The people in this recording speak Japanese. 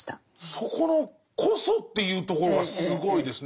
そこの「こそ」というところがすごいですね。